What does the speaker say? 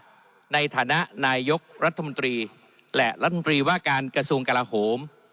ในฐานะนายกรัฐมนตรีและรัฐมนตรีว่าการกระทรวงกลาโหม